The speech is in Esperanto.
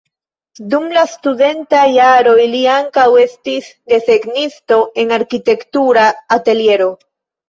Dum la studentaj jaroj li ankaŭ estis desegnisto en arkitektura ateliero.